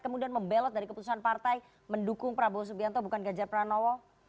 kemudian membelot dari keputusan partai mendukung prabowo subianto bukan gajar pranowo